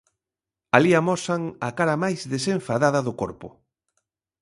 Alí amosan a cara máis desenfadada do corpo.